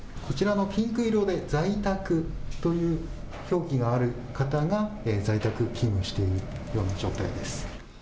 こちらのピンク色で在宅という表記がある方が在宅勤務しているような状態です。